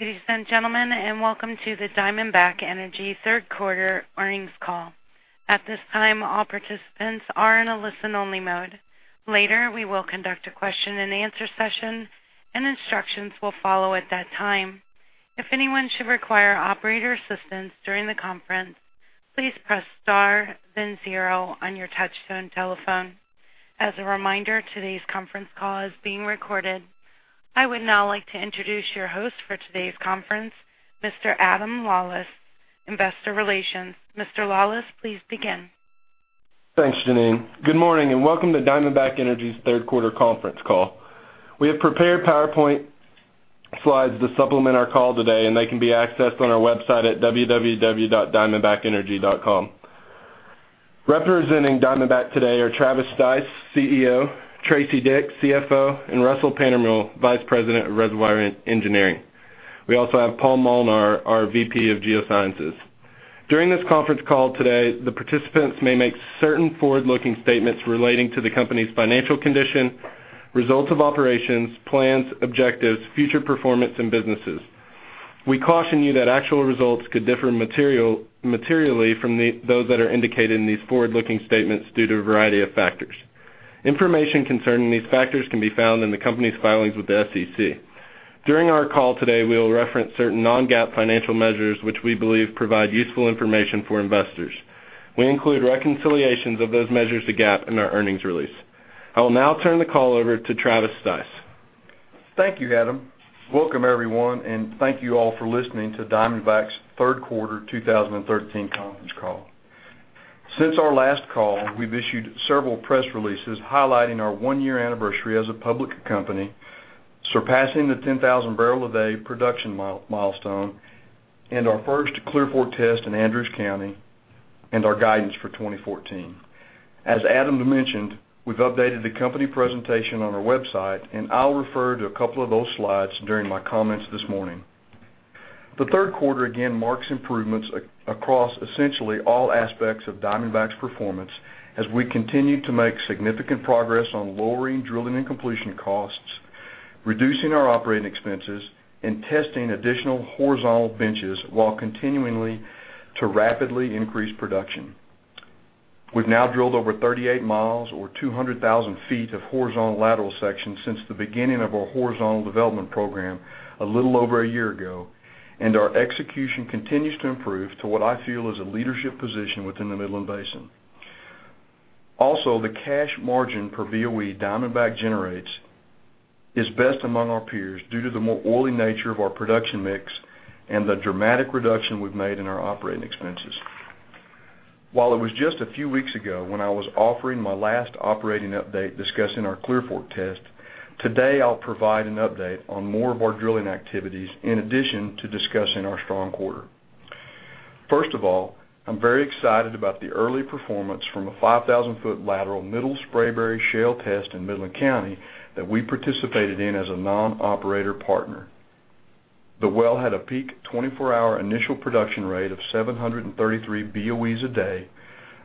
Ladies and gentlemen, welcome to the Diamondback Energy third quarter earnings call. At this time, all participants are in a listen-only mode. Later, we will conduct a question and answer session, and instructions will follow at that time. If anyone should require operator assistance during the conference, please press star then zero on your touchtone telephone. As a reminder, today's conference call is being recorded. I would now like to introduce your host for today's conference, Mr. Adam Lawlis, investor relations. Mr. Lawlis, please begin. Thanks, Janine. Good morning, welcome to Diamondback Energy's third quarter conference call. We have prepared PowerPoint slides to supplement our call today, and they can be accessed on our website at www.diamondbackenergy.com. Representing Diamondback today are Travis Stice, CEO; Teresa Dick, CFO; and Russell Pantermuehl, Vice President of Reservoir Engineering. We also have Paul Molnar, our VP of Geosciences. During this conference call today, the participants may make certain forward-looking statements relating to the company's financial condition, results of operations, plans, objectives, future performance, and businesses. We caution you that actual results could differ materially from those that are indicated in these forward-looking statements due to a variety of factors. Information concerning these factors can be found in the company's filings with the SEC. During our call today, we will reference certain non-GAAP financial measures which we believe provide useful information for investors. We include reconciliations of those measures to GAAP in our earnings release. I will now turn the call over to Travis Stice. Thank you, Adam. Welcome, everyone, thank you all for listening to Diamondback's third quarter 2013 conference call. Since our last call, we've issued several press releases highlighting our one-year anniversary as a public company, surpassing the 10,000 barrel a day production milestone and our first Clear Fork test in Andrews County and our guidance for 2014. As Adam mentioned, we've updated the company presentation on our website, I'll refer to a couple of those slides during my comments this morning. The third quarter again marks improvements across essentially all aspects of Diamondback's performance as we continue to make significant progress on lowering drilling and completion costs, reducing our operating expenses, and testing additional horizontal benches while continuing to rapidly increase production. We've now drilled over 38 miles or 200,000 feet of horizontal lateral sections since the beginning of our horizontal development program a little over a year ago, our execution continues to improve to what I feel is a leadership position within the Midland Basin. Also, the cash margin per BOE Diamondback generates is best among our peers due to the more oily nature of our production mix and the dramatic reduction we've made in our operating expenses. While it was just a few weeks ago when I was offering my last operating update discussing our Clear Fork test, today I'll provide an update on more of our drilling activities in addition to discussing our strong quarter. First of all, I'm very excited about the early performance from a 5,000-foot lateral Middle Spraberry Shale test in Midland County that we participated in as a non-operator partner. The well had a peak 24-hour initial production rate of 733 BOEs a day,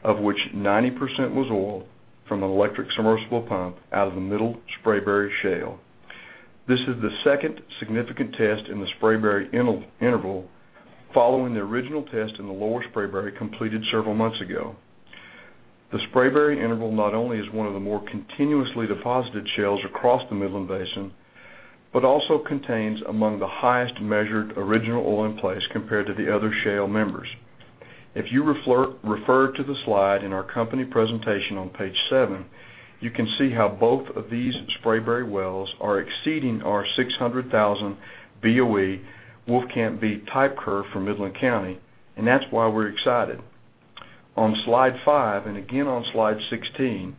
of which 90% was oil from an electric submersible pump out of the Middle Spraberry Shale. This is the second significant test in the Spraberry interval following the original test in the Lower Spraberry completed several months ago. The Spraberry interval not only is one of the more continuously deposited shales across the Midland Basin, but also contains among the highest measured original oil in place compared to the other shale members. If you refer to the slide in our company presentation on page seven, you can see how both of these Spraberry wells are exceeding our 600,000 BOE Wolfcamp B type curve for Midland County, that's why we're excited. On slide five and again on slide 16,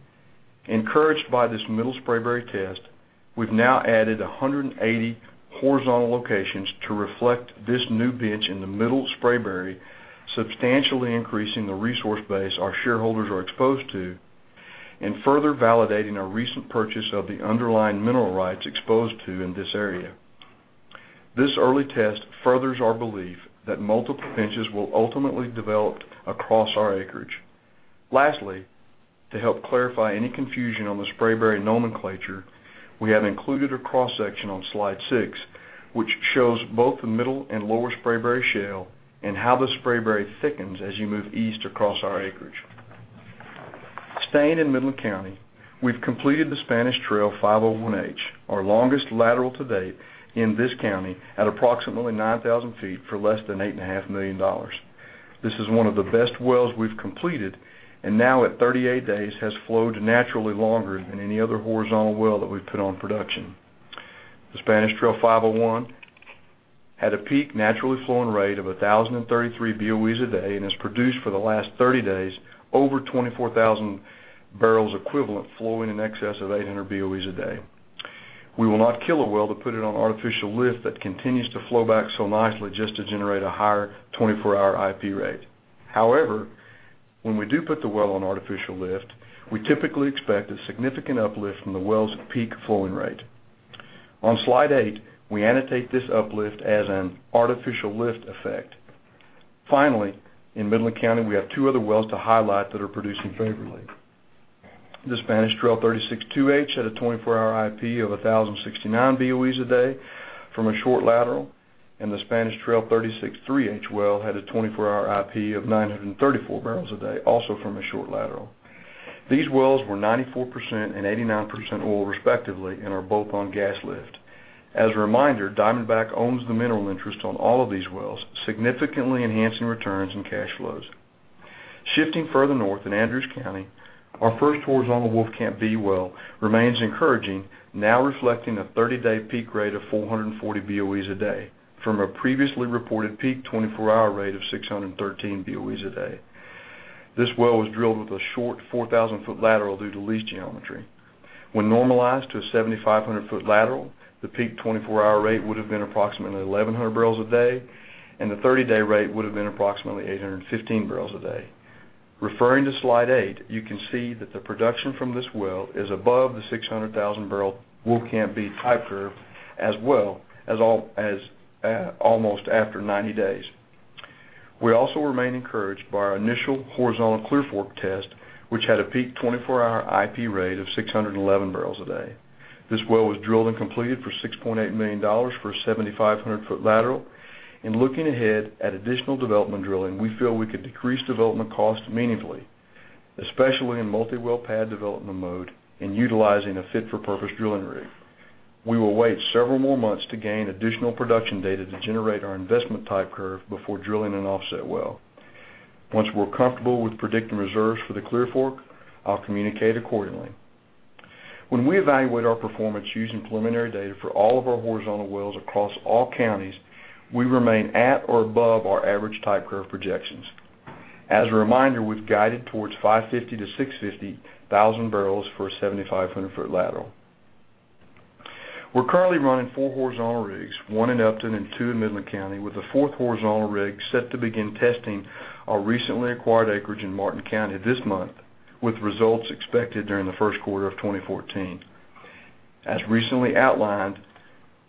encouraged by this Middle Spraberry test, we've now added 180 horizontal locations to reflect this new bench in the Middle Spraberry, substantially increasing the resource base our shareholders are exposed to and further validating our recent purchase of the underlying mineral rights exposed to in this area. This early test furthers our belief that multiple benches will ultimately develop across our acreage. Lastly, to help clarify any confusion on the Spraberry nomenclature, we have included a cross-section on slide six, which shows both the Middle and Lower Spraberry Shale and how the Spraberry thickens as you move east across our acreage. Staying in Midland County, we've completed the Spanish Trail 501H, our longest lateral to date in this county, at approximately 9,000 feet for less than $8.5 million. This is one of the best wells we've completed, now at 38 days has flowed naturally longer than any other horizontal well that we've put on production. The Spanish Trail 501 had a peak naturally flowing rate of 1,033 BOEs a day and has produced for the last 30 days over 24,000 barrels equivalent, flowing in excess of 800 BOEs a day. We will not kill a well to put it on artificial lift that continues to flow back so nicely just to generate a higher 24-hour IP rate. However, when we do put the well on artificial lift, we typically expect a significant uplift from the well's peak flowing rate. On slide eight, we annotate this uplift as an artificial lift effect. Finally, in Midland County, we have two other wells to highlight that are producing favorably. The Spanish Trail 36-2H had a 24-hour IP of 1,069 BOEs a day from a short lateral, and the Spanish Trail 36-3H well had a 24-hour IP of 934 barrels a day, also from a short lateral. These wells were 94% and 89% oil respectively and are both on gas lift. As a reminder, Diamondback Energy owns the mineral interest on all of these wells, significantly enhancing returns and cash flows. Shifting further north in Andrews County, our first horizontal Wolfcamp B well remains encouraging, now reflecting a 30-day peak rate of 440 BOEs a day from a previously reported peak 24-hour rate of 613 BOEs a day. This well was drilled with a short 4,000-foot lateral due to lease geometry. When normalized to a 7,500-foot lateral, the peak 24-hour rate would have been approximately 1,100 barrels a day, and the 30-day rate would've been approximately 815 barrels a day. Referring to Slide 8, you can see that the production from this well is above the 600,000-barrel Wolfcamp B type curve as well as almost after 90 days. We also remain encouraged by our initial horizontal Clear Fork test, which had a peak 24-hour IP rate of 611 barrels a day. This well was drilled and completed for $6.8 million for a 7,500-foot lateral. Looking ahead at additional development drilling, we feel we could decrease development cost meaningfully, especially in multi-well pad development mode and utilizing a fit-for-purpose drilling rig. We will wait several more months to gain additional production data to generate our investment type curve before drilling an offset well. Once we're comfortable with predicting reserves for the Clear Fork, I'll communicate accordingly. When we evaluate our performance using preliminary data for all of our horizontal wells across all counties, we remain at or above our average type curve projections. As a reminder, we've guided towards 550,000-650,000 barrels for a 7,500-foot lateral. We're currently running four horizontal rigs, one in Upton and two in Midland County, with a fourth horizontal rig set to begin testing our recently acquired acreage in Martin County this month, with results expected during the first quarter of 2014. As recently outlined,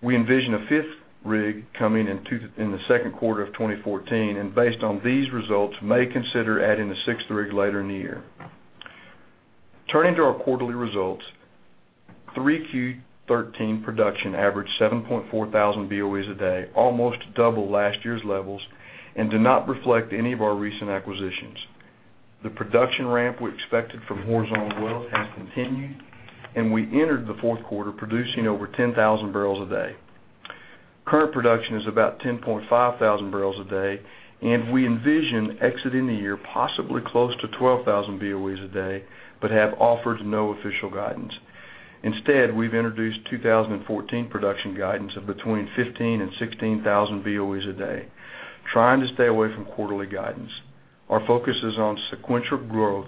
we envision a fifth rig coming in the second quarter of 2014, and based on these results, may consider adding a sixth rig later in the year. Turning to our quarterly results. 3Q13 production averaged 7.4 thousand BOEs a day, almost double last year's levels, and do not reflect any of our recent acquisitions. The production ramp we expected from horizontal wells has continued, and we entered the fourth quarter producing over 10,000 barrels a day. Current production is about 10.5 thousand barrels a day, and we envision exiting the year possibly close to 12,000 BOEs a day, but have offered no official guidance. Instead, we've introduced 2014 production guidance of between 15,000 and 16,000 BOEs a day, trying to stay away from quarterly guidance. Our focus is on sequential growth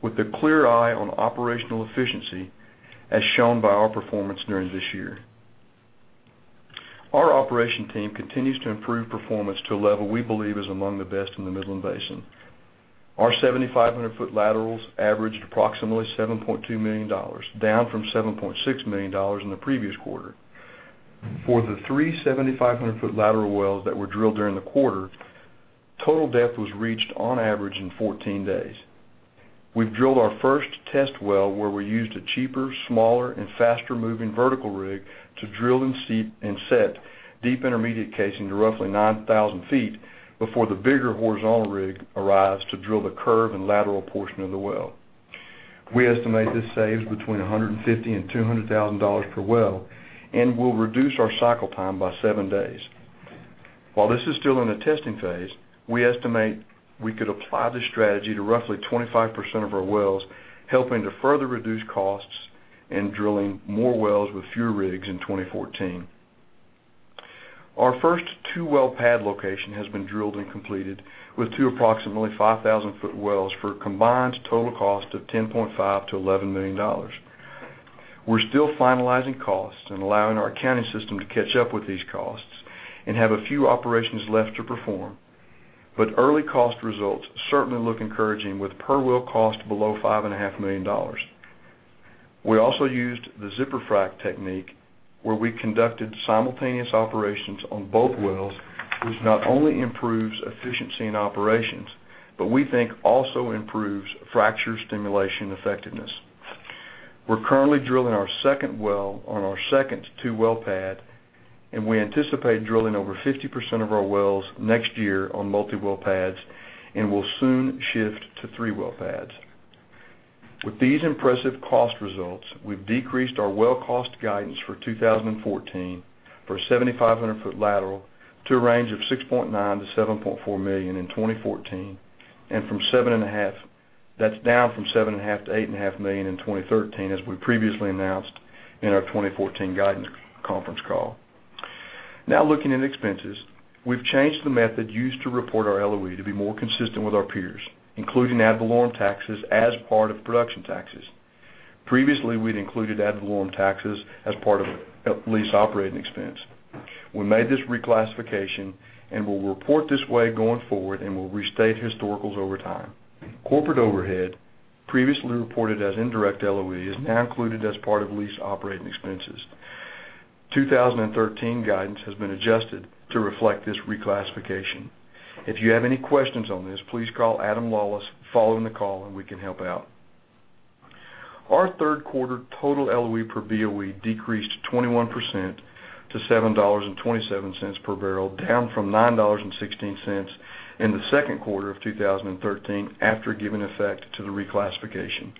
with a clear eye on operational efficiency, as shown by our performance during this year. Our operation team continues to improve performance to a level we believe is among the best in the Midland Basin. Our 7,500-foot laterals averaged approximately $7.2 million, down from $7.6 million in the previous quarter. For the three 7,500-foot lateral wells that were drilled during the quarter, total depth was reached on average in 14 days. We've drilled our first test well, where we used a cheaper, smaller, and faster-moving vertical rig to drill and set deep intermediate casing to roughly 9,000 feet before the bigger horizontal rig arrives to drill the curve and lateral portion of the well. We estimate this saves between $150,000 and $200,000 per well and will reduce our cycle time by seven days. While this is still in the testing phase, we estimate we could apply this strategy to roughly 25% of our wells, helping to further reduce costs and drilling more wells with fewer rigs in 2014. Our first two-well pad location has been drilled and completed with two approximately 5,000-foot wells for a combined total cost of $10.5 million-$11 million. We're still finalizing costs and allowing our accounting system to catch up with these costs and have a few operations left to perform, but early cost results certainly look encouraging with per-well cost below $5.5 million. We also used the zipper frack technique, where we conducted simultaneous operations on both wells, which not only improves efficiency in operations, but we think also improves fracture stimulation effectiveness. We're currently drilling our second well on our second two-well pad, and we anticipate drilling over 50% of our wells next year on multi-well pads and will soon shift to three-well pads. With these impressive cost results, we've decreased our well cost guidance for 2014 for a 7,500-foot lateral to a range of $6.9 million-$7.4 million in 2014, and from $7.5 million-$8.5 million in 2013 as we previously announced in our 2014 guidance conference call. Now looking at expenses. We've changed the method used to report our LOE to be more consistent with our peers, including ad valorem taxes as part of production taxes. Previously, we'd included ad valorem taxes as part of lease operating expense. We made this reclassification and will report this way going forward and will restate historicals over time. Corporate overhead, previously reported as indirect LOE, is now included as part of lease operating expenses. 2013 guidance has been adjusted to reflect this reclassification. If you have any questions on this, please call Adam Lawlis following the call and we can help out. Our third quarter total LOE per BOE decreased 21% to $7.27 per barrel, down from $9.16 in the second quarter of 2013, after giving effect to the reclassification.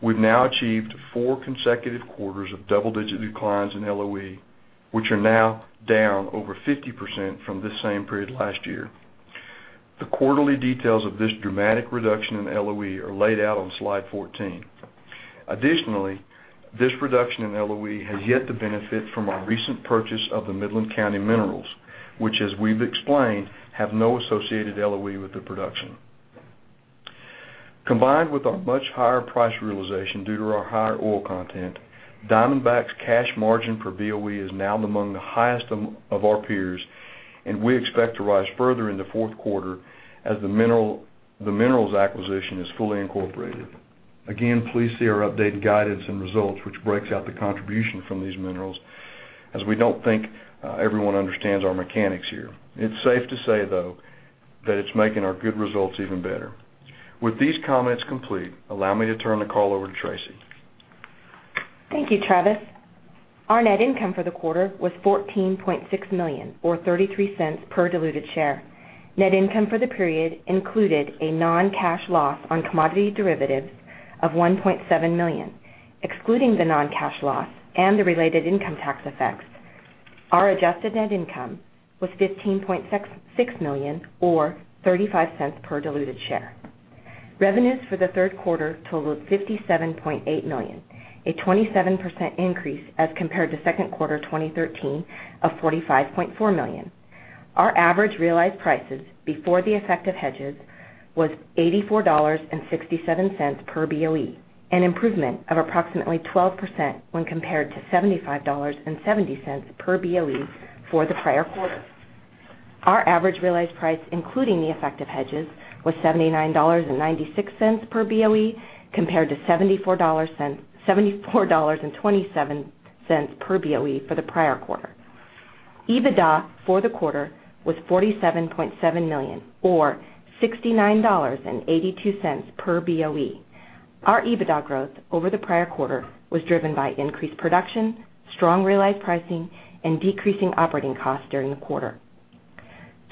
We've now achieved four consecutive quarters of double-digit declines in LOE, which are now down over 50% from this same period last year. The quarterly details of this dramatic reduction in LOE are laid out on slide 14. Additionally, this reduction in LOE has yet to benefit from our recent purchase of the Midland County minerals, which, as we've explained, have no associated LOE with the production. Combined with our much higher price realization due to our higher oil content, Diamondback's cash margin per BOE is now among the highest of our peers, and we expect to rise further in the fourth quarter as the minerals acquisition is fully incorporated. Again, please see our updated guidance and results, which breaks out the contribution from these minerals, as we don't think everyone understands our mechanics here. It's safe to say, though, that it's making our good results even better. With these comments complete, allow me to turn the call over to Teresa. Thank you, Travis. Our net income for the quarter was $14.6 million, or $0.33 per diluted share. Net income for the period included a non-cash loss on commodity derivatives of $1.7 million. Excluding the non-cash loss and the related income tax effects, our adjusted net income was $15.6 million, or $0.35 per diluted share. Revenues for the third quarter totaled $57.8 million, a 27% increase as compared to second quarter 2013 of $45.4 million. Our average realized prices before the effect of hedges was $84.67 per BOE, an improvement of approximately 12% when compared to $75.70 per BOE for the prior quarter. Our average realized price, including the effect of hedges, was $79.96 per BOE, compared to $74.27 per BOE for the prior quarter. EBITDA for the quarter was $47.7 million, or $69.82 per BOE. Our EBITDA growth over the prior quarter was driven by increased production, strong realized pricing, and decreasing operating costs during the quarter.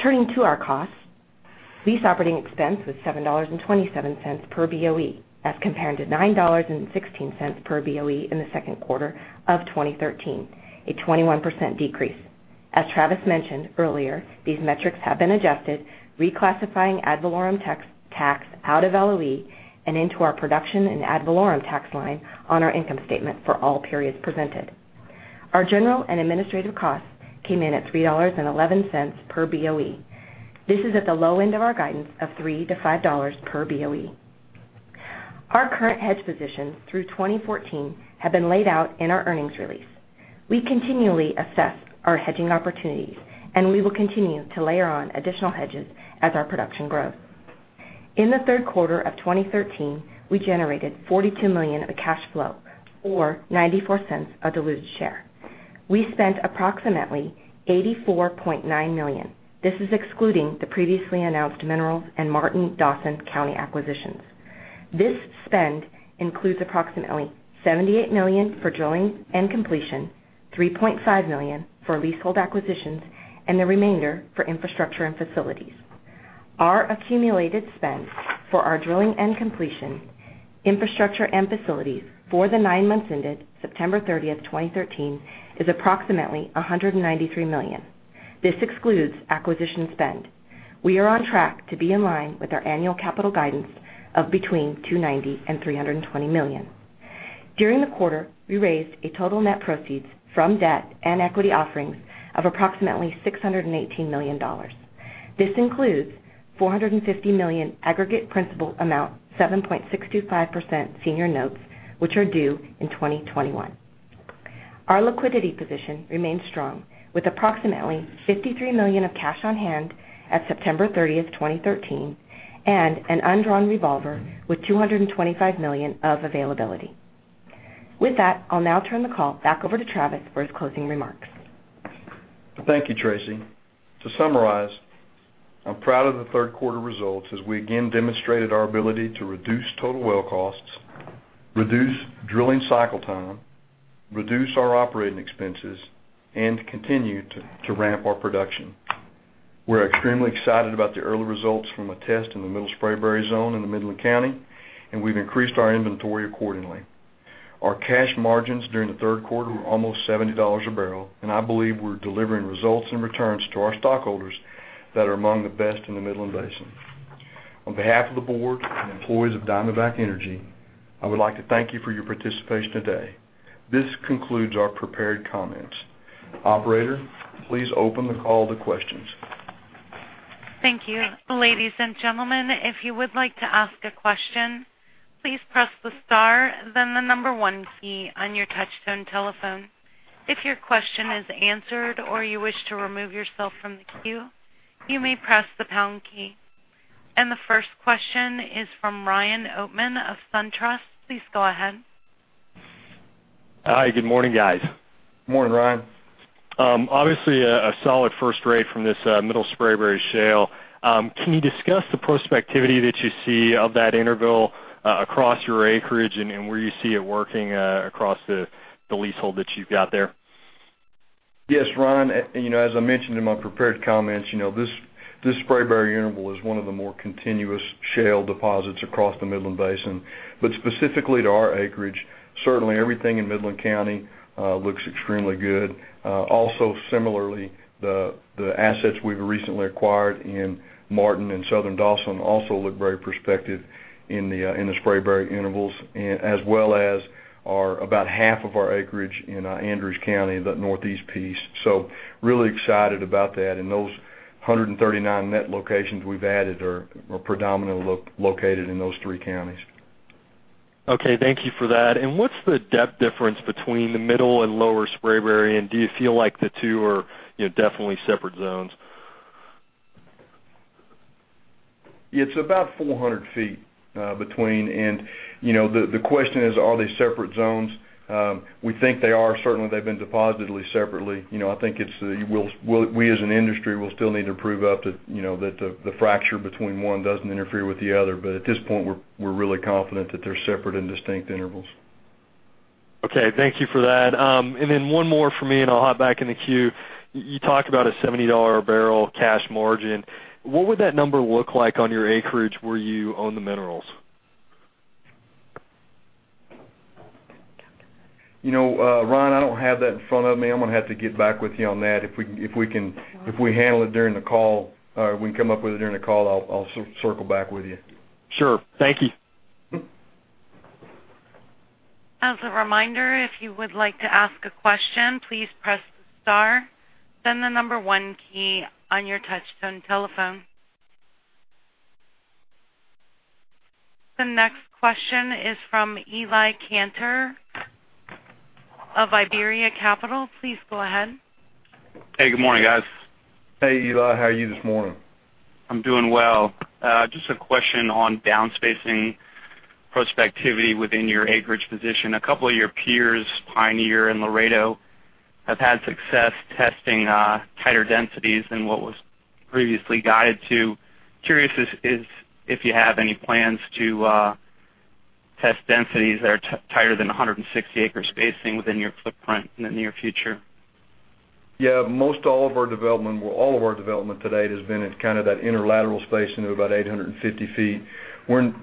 Turning to our costs, lease operating expense was $7.27 per BOE as compared to $9.16 per BOE in the second quarter of 2013, a 21% decrease. As Travis mentioned earlier, these metrics have been adjusted, reclassifying ad valorem tax out of LOE and into our production and ad valorem tax line on our income statement for all periods presented. Our general and administrative costs came in at $3.11 per BOE. This is at the low end of our guidance of $3 to $5 per BOE. Our current hedge positions through 2014 have been laid out in our earnings release. We continually assess our hedging opportunities, and we will continue to layer on additional hedges as our production grows. In the third quarter of 2013, we generated $42 million of cash flow, or $0.94 a diluted share. We spent approximately $84.9 million. This is excluding the previously announced minerals and Martin County and Dawson County acquisitions. This spend includes approximately $78 million for drilling and completion, $3.5 million for leasehold acquisitions, and the remainder for infrastructure and facilities. Our accumulated spend for our drilling and completion, infrastructure and facilities for the nine months ended September 30th, 2013, is approximately $193 million. This excludes acquisition spend. We are on track to be in line with our annual capital guidance of between $290 and $320 million. During the quarter, we raised a total net proceeds from debt and equity offerings of approximately $618 million. This includes $450 million aggregate principal amount, 7.625% senior notes, which are due in 2021. Our liquidity position remains strong, with approximately $53 million of cash on hand at September 30th, 2013, and an undrawn revolver with $225 million of availability. With that, I'll now turn the call back over to Travis for his closing remarks. Thank you, Teresa. To summarize, I'm proud of the third quarter results as we again demonstrated our ability to reduce total well costs, reduce drilling cycle time, reduce our operating expenses, and continue to ramp our production. We're extremely excited about the early results from a test in the Middle Spraberry zone in Midland County, and we've increased our inventory accordingly. Our cash margins during the third quarter were almost $70 a barrel, and I believe we're delivering results and returns to our stockholders that are among the best in the Midland Basin. On behalf of the board and employees of Diamondback Energy, I would like to thank you for your participation today. This concludes our prepared comments. Operator, please open the call to questions. Thank you. Ladies and gentlemen, if you would like to ask a question, please press the star, then the number 1 key on your touchtone telephone. If your question is answered or you wish to remove yourself from the queue, you may press the pound key. The first question is from Ryan Oatman of SunTrust. Please go ahead. Hi, good morning, guys. Morning, Ryan. Obviously, a solid first rate from this Middle Spraberry Shale. Can you discuss the prospectivity that you see of that interval across your acreage and where you see it working across the leasehold that you've got there? Yes, Ryan. As I mentioned in my prepared comments, this Spraberry interval is one of the more continuous shale deposits across the Midland Basin. Specifically to our acreage, certainly everything in Midland County looks extremely good. Also similarly, the assets we've recently acquired in Martin and Southern Dawson also look very prospective in the Spraberry intervals, as well as about half of our acreage in Andrews County, that northeast piece. Really excited about that, and those 139 net locations we've added are predominantly located in those three counties. Okay, thank you for that. What's the depth difference between the Middle and Lower Spraberry, and do you feel like the two are definitely separate zones? It's about 400 feet between. The question is, are they separate zones? We think they are. Certainly, they've been deposited separately. I think we as an industry will still need to prove that the fracture between one doesn't interfere with the other. At this point, we're really confident that they're separate and distinct intervals. Okay, thank you for that. Then one more from me, I'll hop back in the queue. You talked about a $70 a barrel cash margin. What would that number look like on your acreage were you on the minerals? Ryan, I don't have that in front of me. I'm going to have to get back with you on that. If we handle it during the call, or we can come up with it during the call, I'll circle back with you. Sure. Thank you. As a reminder, if you would like to ask a question, please press star then the number one key on your touch-tone telephone. The next question is from Eli Kantor of IBERIA Capital. Please go ahead. Hey, good morning, guys. Hey, Eli. How are you this morning? I'm doing well. Just a question on down-spacing prospectivity within your acreage position. A couple of your peers, Pioneer and Laredo, have had success testing tighter densities than what was previously guided to. Curious if you have any plans to test densities that are tighter than 160 acre spacing within your footprint in the near future? Yeah, all of our development to date has been at that interlateral spacing of about 850 feet. We're in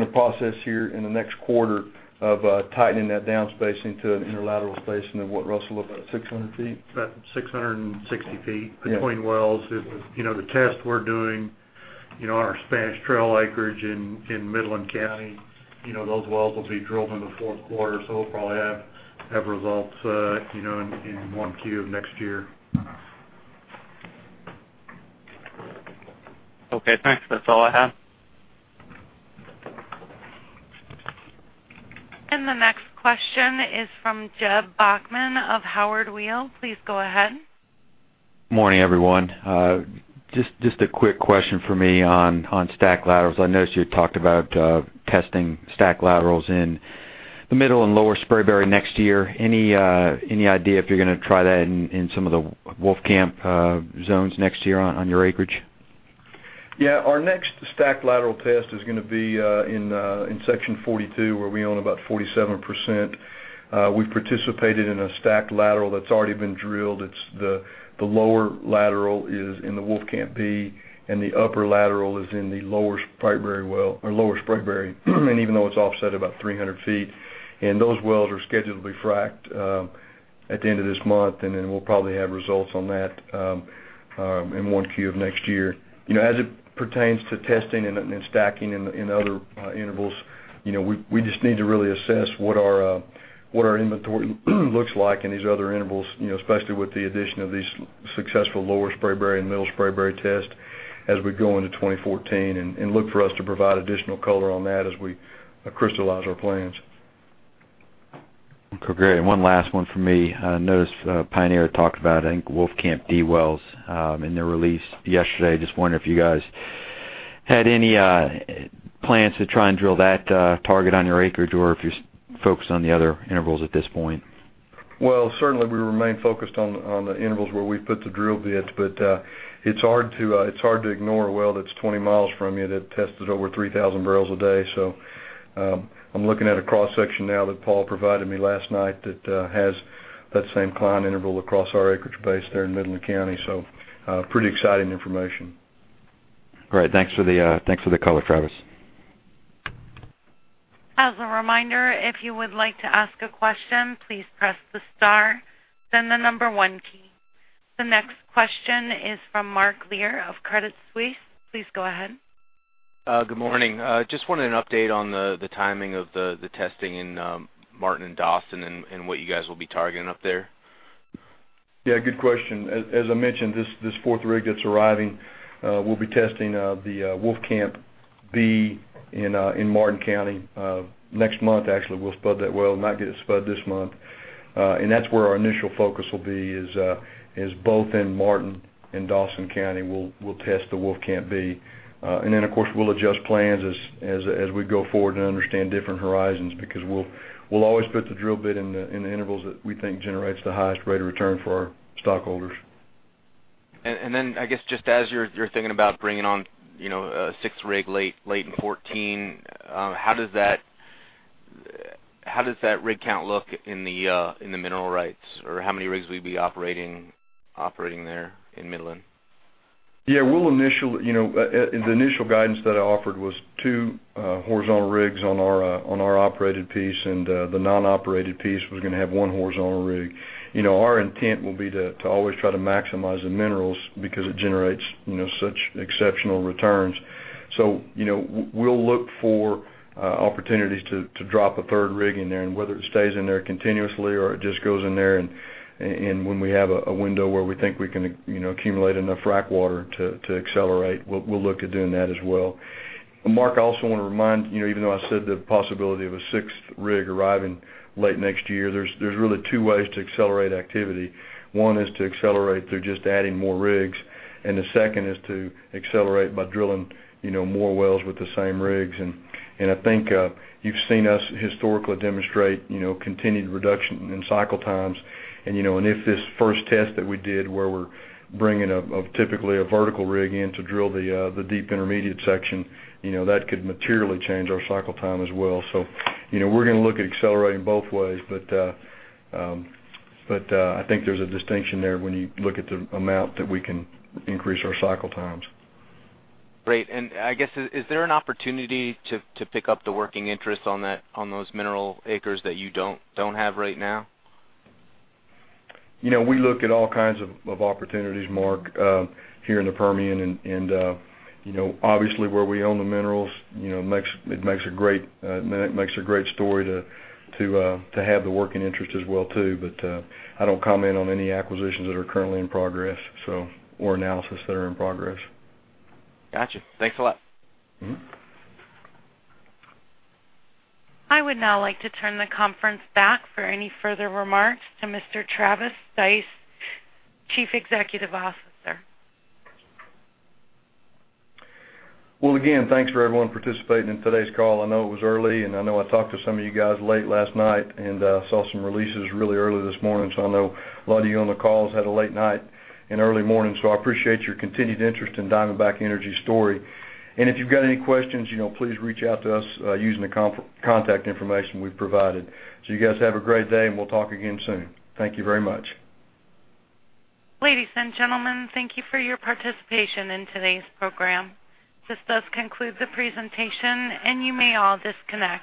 the process here in the next quarter of tightening that down-spacing to an interlateral spacing of what, Russell, about 600 feet? About 660 feet between wells. The test we're doing on our Spanish Trail acreage in Midland County, those wells will be drilled in the fourth quarter, so we'll probably have results in 1Q of next year. Okay, thanks. That's all I have. The next question is from Jeb Bachmann of Howard Weil. Please go ahead. Morning, everyone. Just a quick question from me on stack laterals. I noticed you talked about testing stack laterals in the Middle and Lower Spraberry next year. Any idea if you're going to try that in some of the Wolfcamp zones next year on your acreage? Yeah. Our next stack lateral test is going to be in Section 42, where we own about 47%. We've participated in a stacked lateral that's already been drilled. The lower lateral is in the Wolfcamp B, and the upper lateral is in the Lower Spraberry well, or Lower Spraberry, and even though it's offset about 300 feet. Those wells are scheduled to be fracked at the end of this month, then we'll probably have results on that in 1Q of next year. As it pertains to testing and stacking in other intervals, we just need to really assess what our inventory looks like in these other intervals, especially with the addition of these successful Lower Spraberry and Middle Spraberry tests as we go into 2014, look for us to provide additional color on that as we crystallize our plans. Okay, great. One last one from me. I noticed Pioneer talked about Wolfcamp D wells in their release yesterday. Just wondering if you guys had any plans to try and drill that target on your acreage or if you're focused on the other intervals at this point. Well, certainly we remain focused on the intervals where we've put the drill bits, it's hard to ignore a well that's 20 miles from you that tested over 3,000 barrels a day. I'm looking at a cross-section now that Paul provided me last night that has that same decline interval across our acreage base there in Midland County. Pretty exciting information. Great. Thanks for the color, Travis. As a reminder, if you would like to ask a question, please press the star then the number one key. The next question is from Mark Lear of Credit Suisse. Please go ahead. Good morning. Just wanted an update on the timing of the testing in Martin and Dawson and what you guys will be targeting up there. Yeah, good question. As I mentioned, this fourth rig that's arriving will be testing the Wolfcamp B in Martin County. Next month, actually, we'll spud that well, might get it spud this month. That's where our initial focus will be is, both in Martin and Dawson County, we'll test the Wolfcamp B. Then, of course, we'll adjust plans as we go forward and understand different horizons, because we'll always put the drill bit in the intervals that we think generates the highest rate of return for our stockholders. I guess just as you're thinking about bringing on a sixth rig late in 2014, how does that rig count look in the mineral rights? Or how many rigs will you be operating there in Midland? The initial guidance that I offered was two horizontal rigs on our operated piece, and the non-operated piece was going to have one horizontal rig. Our intent will be to always try to maximize the minerals because it generates such exceptional returns. We'll look for opportunities to drop a third rig in there, and whether it stays in there continuously or it just goes in there and when we have a window where we think we can accumulate enough frack water to accelerate, we'll look at doing that as well. Mark, I also want to remind, even though I said the possibility of a sixth rig arriving late next year, there's really two ways to accelerate activity. One is to accelerate through just adding more rigs, and the second is to accelerate by drilling more wells with the same rigs. I think you've seen us historically demonstrate continued reduction in cycle times. If this first test that we did, where we're bringing up, typically, a vertical rig in to drill the deep intermediate section, that could materially change our cycle time as well. We're going to look at accelerating both ways, but I think there's a distinction there when you look at the amount that we can increase our cycle times. Great. I guess, is there an opportunity to pick up the working interest on those mineral acres that you don't have right now? We look at all kinds of opportunities, Mark Lear, here in the Permian. Obviously, where we own the minerals, it makes a great story to have the working interest as well too. I don't comment on any acquisitions that are currently in progress, or analysis that are in progress. Got you. Thanks a lot. I would now like to turn the conference back for any further remarks to Mr. Travis Stice, Chief Executive Officer. Well, again, thanks for everyone participating in today's call. I know it was early, I know I talked to some of you guys late last night and saw some releases really early this morning. I know a lot of you on the calls had a late night and early morning. I appreciate your continued interest in Diamondback Energy's story. If you've got any questions, please reach out to us using the contact information we've provided. You guys have a great day, and we'll talk again soon. Thank you very much. Ladies and gentlemen, thank you for your participation in today's program. This does conclude the presentation, and you may all disconnect.